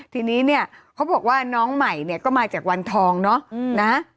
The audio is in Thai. ทีนี้เนี่ยเขาบอกว่าน้องใหม่เนี่ยก็มาจากวันทองเนาะนะ